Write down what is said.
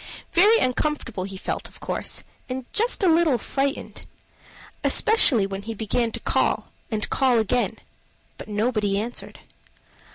Very uncomfortable he felt, of course; and just a little frightened. Especially when he began to call and call again, but nobody answered.